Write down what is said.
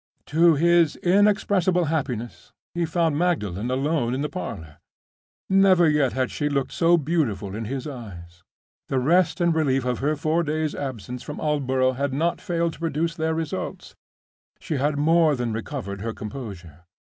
To his inexpressible happiness, he found Magdalen alone in the parlor. Never yet had she looked so beautiful in his eyes. The rest and relief of her four days' absence from Aldborough had not failed to produce their results; she had more than recovered her composure.